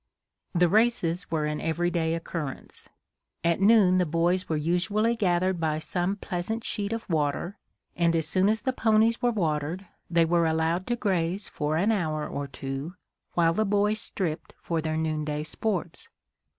The races were an every day occurrence. At noon the boys were usually gathered by some pleasant sheet of water, and as soon as the ponies were watered, they were allowed to graze for an hour or two, while the boys stripped for their noonday sports.